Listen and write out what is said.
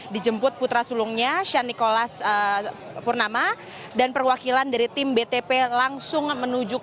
dijemput putra sulungnya shan nikolas purnama dan perwakilan dari tim btp langsung menuju